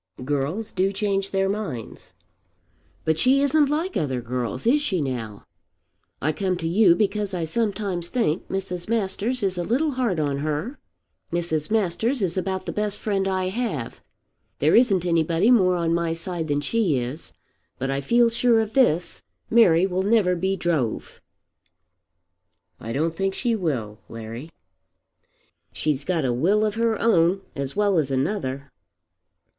"Girls do change their minds." "But she isn't like other girls. Is she now? I come to you because I sometimes think Mrs. Masters is a little hard on her. Mrs. Masters is about the best friend I have. There isn't anybody more on my side than she is. But I feel sure of this; Mary will never be drove." "I don't think she will, Larry." "She's got a will of her own as well as another."